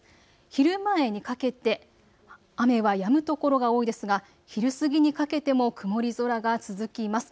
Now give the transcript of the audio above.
昼前にかけて雨はやむ所が多いですが昼過ぎにかけても曇り空が続きます。